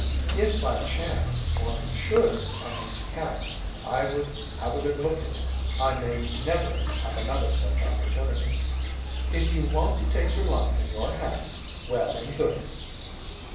"If, by chance, one should come into camp I would have a good look at him. I may never have another such opportunity." "If you want to take your life in your hands, well and good."